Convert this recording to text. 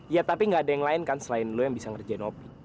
ya tapi ga ada yang lain kan selain lo yang bisa ngerjain opi